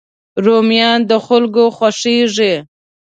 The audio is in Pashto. رومیان د خلکو خوښېږي